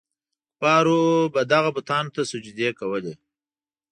کفارو به دغو بتانو ته سجدې کولې.